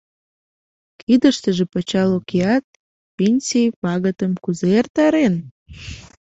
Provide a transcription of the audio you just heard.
Кидыштыже пычал укеат, пенсий пагытым кузе эртарен?